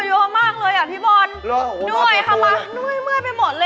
อ้อเยอะมากเลยอะพี่บอล